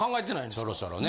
そろそろね。